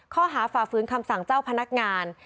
ฝ่าฝืนคำสั่งเจ้าพนักงาน